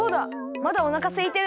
まだおなかすいてるなら